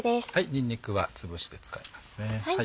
にんにくはつぶして使いますね。